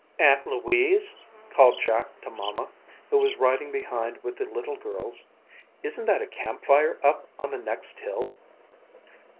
"Aunt Louise," called Jack to Mamma, who was riding behind with the little girls, "isn't that a campfire up on the next hill?"